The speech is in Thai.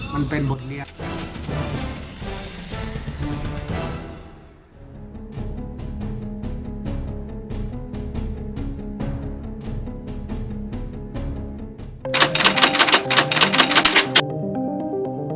มันเป็นบริกา